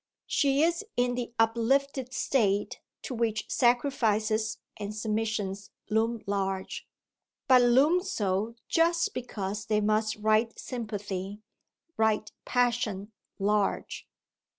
She is in the uplifted state to which sacrifices and submissions loom large, but loom so just because they must write sympathy, write passion, large.